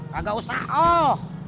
kagak usah oh